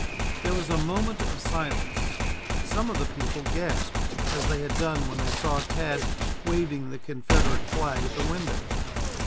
There was a moment of silence. Some of the people gasped, as they had done when they saw Tad waving the Confederate flag at the window.